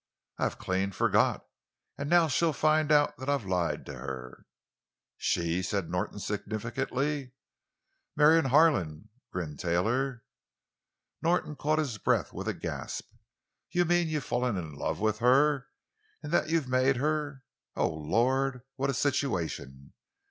"I've clean forgot. And now she'll find out that I've lied to her." "She?" said Norton significantly. "Marion Harlan," grinned Taylor. Norton caught his breath with a gasp. "You mean you've fallen in love with her? And that you've made her—Oh, Lord! What a situation!